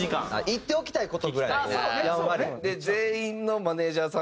「言っておきたい事」ぐらいやんわり。